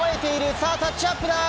さあ、タッチアップだ。